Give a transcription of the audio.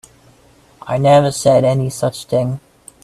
I never said any such thing.